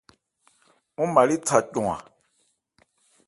Ɔ́n mâ lé tha cɔn.